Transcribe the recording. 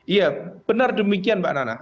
iya benar demikian mbak nana